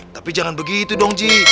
tapi jangan begitu dong ji